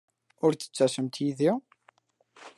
Ur d-ttasemt yid-i?